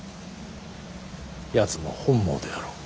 やつも本望であろう。